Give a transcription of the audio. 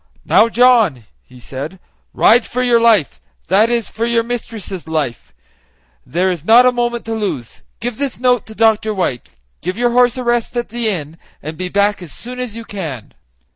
"Now, John," he said, "ride for your life that is, for your mistress' life; there is not a moment to lose. Give this note to Dr. White; give your horse a rest at the inn, and be back as soon as you can."